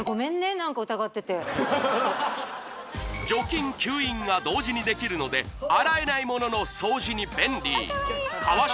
何か疑ってて除菌・吸引が同時にできるので洗えない物の掃除に便利川島